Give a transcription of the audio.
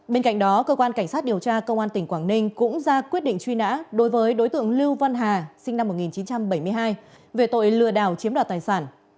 bên cạnh đó cơ quan cảnh sát điều tra công an tỉnh quảng ninh cũng ra quyết định truy nã đối với đối tượng lưu văn hà sinh năm một nghìn chín trăm bảy mươi hai về tội lừa đảo chiếm đoạt tài sản